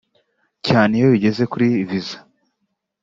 cyane iyo bigeze kuri Visa